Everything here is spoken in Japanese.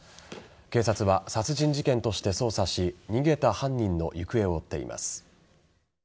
警察は殺人事件として捜査し逃げた犯人の行方を追っています。